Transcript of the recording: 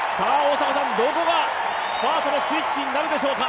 どこがスパートのスイッチになるでしょうか？